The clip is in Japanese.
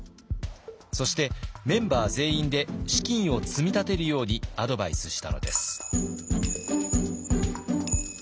そしてメンバー全員で資金を積み立てるようにアドバイスしたのです。